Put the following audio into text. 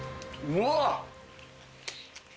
うわ！